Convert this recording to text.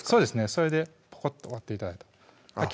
それでポコッと割って頂いたらあっ